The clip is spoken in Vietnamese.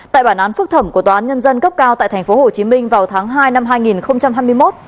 tại bản án phúc thẩm của tòa án nhân dân cấp cao tại tp hcm vào tháng hai năm hai nghìn hai mươi một